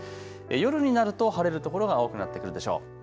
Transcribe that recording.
夜になると晴れる所が多くなってくるでしょう。